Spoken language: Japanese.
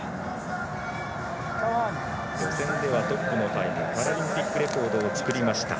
予選ではトップのタイムパラリンピックレコードを作りました。